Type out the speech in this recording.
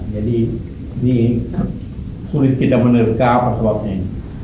jadi ini sulit kita menerka apa sebabnya ini